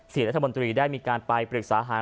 รัฐมนตรีได้มีการไปปรึกษาหาร